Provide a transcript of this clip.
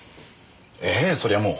ええそりゃもう。